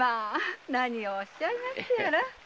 何をおっしゃいますやら。